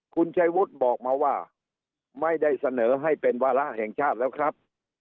คุณชัยวุฒิบอกมาว่าไม่ได้เสนอให้เป็นวาระแห่งชาติแล้วครับ